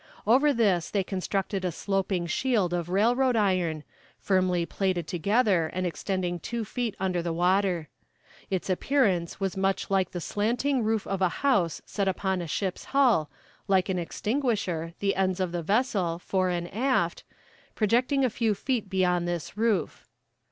Over this they constructed a sloping shield of railroad iron, firmly plaited together, and extending two feet under the water. Its appearance was much like the slanting roof of a house set upon a ship's hull, like an extinguisher, the ends of the vessel, fore and aft, projecting a few feet beyond this roof.